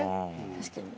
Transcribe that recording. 確かに。